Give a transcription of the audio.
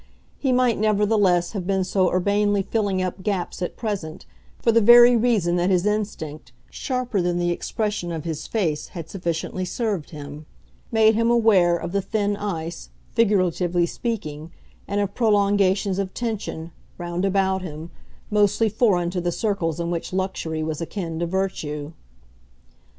He might nevertheless have been so urbanely filling up gaps, at present, for the very reason that his instinct, sharper than the expression of his face, had sufficiently served him made him aware of the thin ice, figuratively speaking, and of prolongations of tension, round about him, mostly foreign to the circles in which luxury was akin to virtue.